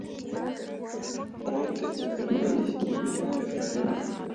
Koɲ tǝ iŋ me pǝlii, we hyi me fahrelle.